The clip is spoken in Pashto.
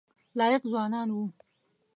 لایق ځوانان وو.